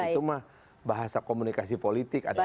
itu mah bahasa komunikasi politik atau